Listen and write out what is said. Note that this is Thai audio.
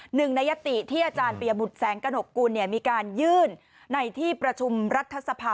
หนึ่งในยติที่อาจารย์ปียบุตรแสงกระหนกกุลมีการยื่นในที่ประชุมรัฐสภา